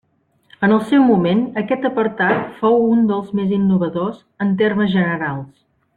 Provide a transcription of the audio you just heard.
En el seu moment aquest apartat fou un dels més innovadors en termes generals.